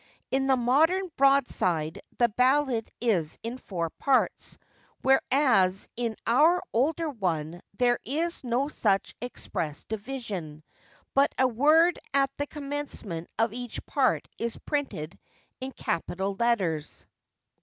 In the modern broadside the ballad is in four parts, whereas, in our older one, there is no such expressed division, but a word at the commencement of each part is printed in capital letters.